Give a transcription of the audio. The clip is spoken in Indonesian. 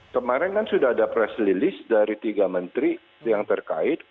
kemarin kan sudah ada press release dari tiga menteri yang terkait